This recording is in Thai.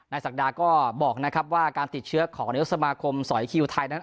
นายสักดาก็บอกว่าการติดเชื้อของนายสมาคมสอยคิวไทย